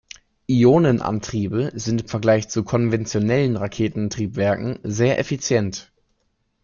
Ionenantriebe sind im Vergleich zu konventionellen Raketentriebwerken sehr effizient.